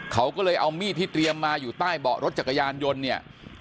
เขาก็เลยเอามีดที่เตรียมมาอยู่ใต้เบาะรถจักรยานยนต์เนี่ย